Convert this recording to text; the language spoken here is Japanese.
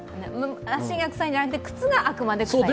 足がくさいんじゃなくて、靴があくまでくさいと。